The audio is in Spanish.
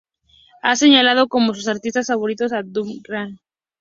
Ha señalado como sus artistas favoritos a Dub Inc, The Cat Empire y Muse.